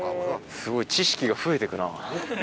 すごい知識が増えてくな。